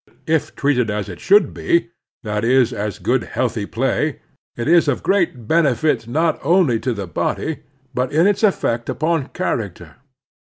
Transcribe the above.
If treated as it should be, — ^that is, as good, healthy play, — it is of great benefit, not only to the body, but in its effect upon character.